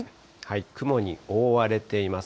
雲に覆われています。